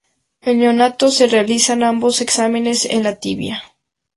En neonatos se realizan ambos exámenes en la tibia.